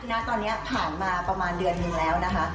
แต่ว่าตอนนี้ผ่านมาประมาณเดือนนึงแล้ว